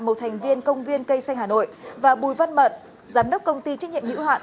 một thành viên công viên cây xanh hà nội và bùi văn mận giám đốc công ty trách nhiệm hữu hạn